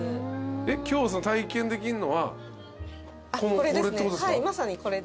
えっ今日体験できんのはこれってことですか？